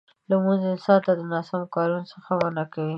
لمونځ انسان د ناسم کارونو څخه منع کوي.